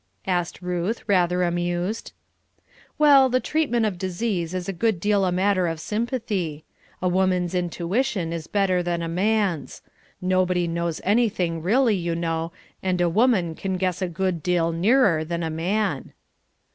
asked Ruth, rather amused. "Well, the treatment of disease is a good deal a matter of sympathy. A woman's intuition is better than a man's. Nobody knows anything, really, you know, and a woman can guess a good deal nearer than a man."